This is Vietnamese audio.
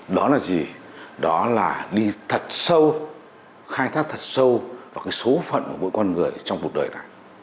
đó là gì đó là đi thật sâu khai thác thật sâu vào cái số phận của mỗi con người trong cuộc đời này